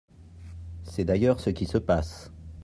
C’est d’ailleurs ce qui se passe.